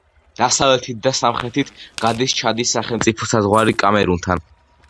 დასავლეთით და სამხრეთით გადის ჩადის სახელმწიფო საზღვარი კამერუნთან.